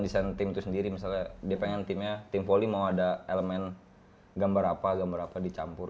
desain tim itu sendiri misalnya dipengen timnya tim voli mau ada elemen gambar apa apa dicampur